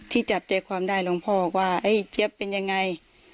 ที่จับใจความได้หลวงพ่อบอกว่าเจ๊บเป็นยังไง